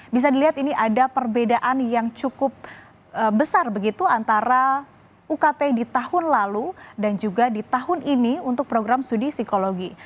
bisa dilihat ini ada perbedaan yang cukup besar begitu antara ukt di tahun lalu dan juga di tahun ini untuk program studi psikologi